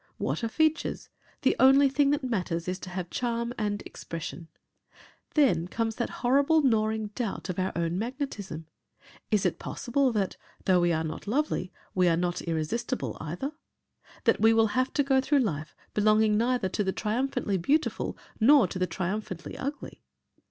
What are features? The only thing that matters is to have charm and expression. Then comes that horrible gnawing doubt of our own magnetism. Is it possible that, though we are not lovely, we are not irresistible either? That we will have to go through life belonging neither to the triumphantly beautiful nor to the triumphantly ugly?